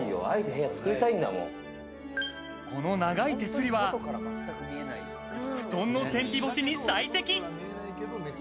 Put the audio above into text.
この長い手すりは、布団の天日干しに最適。